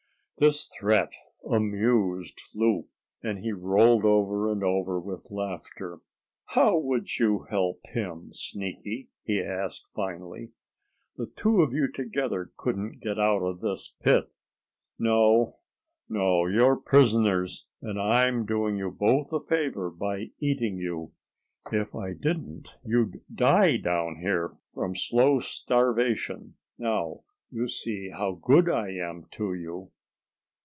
This threat amused Loup, and he rolled over and over with laughter. "How would you help him, Sneaky?" he asked finally. "The two of you together couldn't get out of this pit. No, no, you're prisoners, and I'm doing you both a favor by eating you. If I didn't you'd die down here from slow starvation. Now you see how good I am to you."